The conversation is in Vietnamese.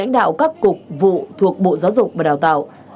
tạo các cục vụ thuộc bộ giáo dục và đào tạo